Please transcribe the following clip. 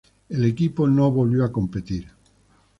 El equipo no volvió a competir.